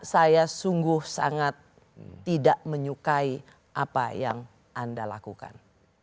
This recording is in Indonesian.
saya sungguh sangat tidak menyukai apa yang anda lakukan